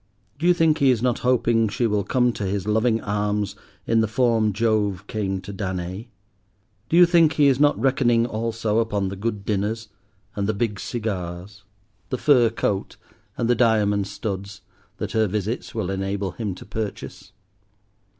—do you think he is not hoping she will come to his loving arms in the form Jove came to Danae? Do you think he is not reckoning also upon the good dinners and the big cigars, the fur coat and the diamond studs, that her visits will enable him to purchase?